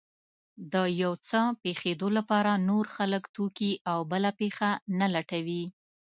د يو څه پېښېدو لپاره نور خلک، توکي او بله پېښه نه لټوي.